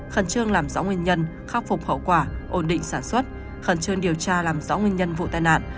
khẩn trương làm rõ nguyên nhân khắc phục hậu quả ổn định sản xuất khẩn trương điều tra làm rõ nguyên nhân vụ tai nạn